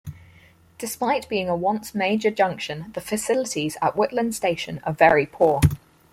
Despite being a once-major junction, the facilities at Whitland station are very poor.